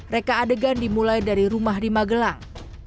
reka adegan dimulai dari rumah di magelang